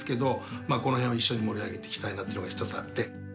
この辺を一緒に盛り上げていきたいっていうのが一つあって。